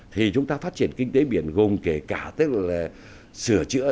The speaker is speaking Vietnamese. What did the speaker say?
thì chúng ta phát triển kinh tế biển gồm kể cả tức là sửa chữa